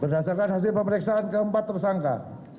berdasarkan hasil pemeriksaan keempat tersangka